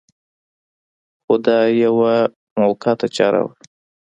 خو دا یوه موقته چاره وه.